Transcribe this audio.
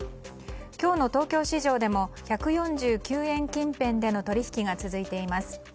今日の東京市場でも１４９円近辺での取引が続いています。